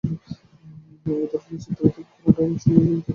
একই ধরনের চিত্র দেখা গেছে কানাডা এবং অস্ট্রেলিয়ায় গত বিশ বছরে।